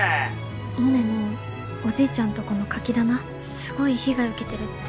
モネのおじいちゃんとこのカキ棚すごい被害受けてるって。